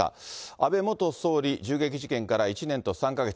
安倍元総理銃撃事件から１年と３か月。